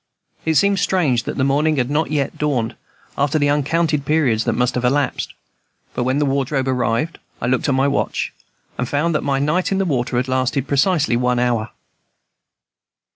It seemed strange that the morning had not yet dawned, after the uncounted periods that must have elapsed; but when the wardrobe arrived I looked at my watch and found that my night in the water had lasted precisely one hour.